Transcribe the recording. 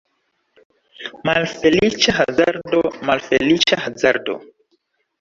Malfeliĉa hazardo, malfeliĉa hazardo!